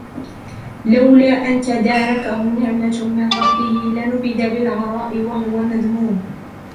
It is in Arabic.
لولا أن تداركه نعمة من ربه لنبذ بالعراء وهو مذموم